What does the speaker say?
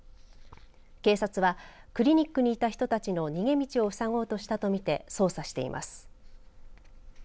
警察は、クリニックにいた人たちの逃げ道をふさごうとしたとみて捜査しています。